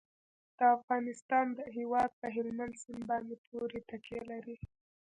د افغانستان هیواد په هلمند سیند باندې پوره تکیه لري.